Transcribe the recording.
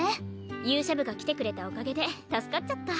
勇者部が来てくれたおかげで助かっちゃった。